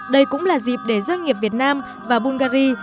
đây cũng là dịp để doanh nghiệp việt nam và bungary